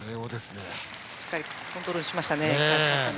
しっかりコントロールしましたね。